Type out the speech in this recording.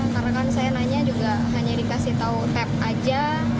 karena kan saya nanya juga hanya dikasih tau tap aja